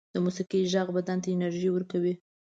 د موسيقۍ غږ بدن ته انرژی ورکوي